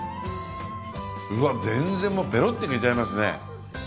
うわっ全然もうペロッといけちゃいますね。